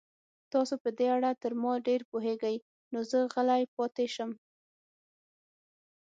تاسو په دې اړه تر ما ډېر پوهېږئ، نو زه غلی پاتې شم.